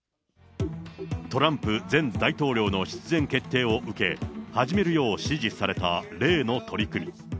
トランプ前大統領の出演決定を受け、始めるよう指示された例の取り組み。